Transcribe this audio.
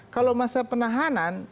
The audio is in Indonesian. kalau masa penahanan